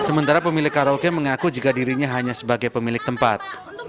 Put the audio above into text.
sementara pemilik karaoke mengaku jika dirinya hanya sebagai pemilik tempat